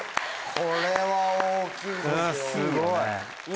これは大きいですよ。